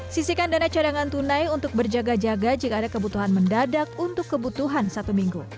sisikan dana cadangan tunai untuk berjaga jaga jika ada kebutuhan mendadak untuk kebutuhan satu minggu